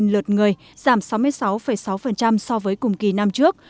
bảy trăm bảy mươi bốn lượt người giảm sáu mươi sáu sáu so với cùng kỳ năm trước